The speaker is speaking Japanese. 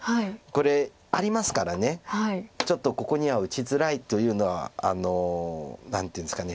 これありますからちょっとここには打ちづらいというのは何ていうんですか。